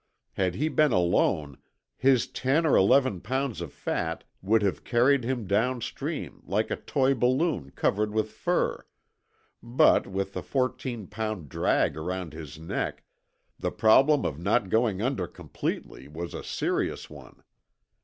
Had he been alone his ten or eleven pounds of fat would have carried him down stream like a toy balloon covered with fur, but, with the fourteen pound drag around his neck, the problem of not going under completely was a serious one.